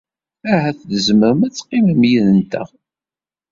Ahat tzemrem ad teqqimem yid-nteɣ.